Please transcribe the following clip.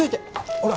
ほら。